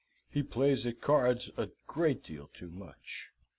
He plays at cards a great deal too much.